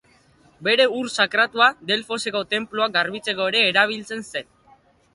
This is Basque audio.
Bere ur sakratua, Delfoseko tenpluak garbitzeko ere erabiltzen zen.